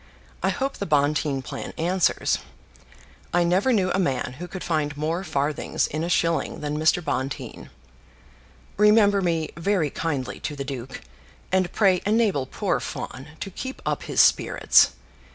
I hope the Bonteen plan answers. I never knew a man who could find more farthings in a shilling than Mr. Bonteen. Remember me very kindly to the duke, and pray enable poor Fawn to keep up his spirits.